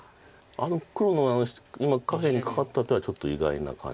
あの黒の今下辺にカカった手はちょっと意外な感じ。